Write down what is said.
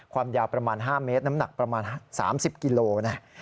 ความยาวประมาณ๕เมตรน้ำหนักประมาณ๓๐กิโลนะ